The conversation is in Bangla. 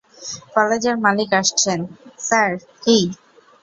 কলেজের মালিক আসছেন, স্যার - কি?